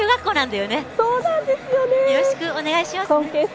よろしくお願いします。